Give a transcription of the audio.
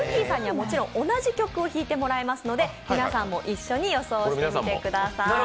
さんにはもちろん同じ曲を弾いてもらいますので皆さんも一緒に予想してみてください。